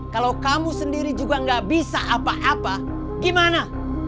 kalau suami kamu nanti lebih susah dari bapak gimana